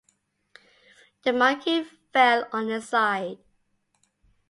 The monkey fell on its side.